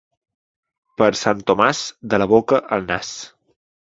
Per Sant Tomàs, de la boca al nas.